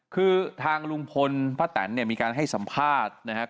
คือทางลุงพลป้าแตนเนี่ยมีการให้สัมภาษณ์นะครับ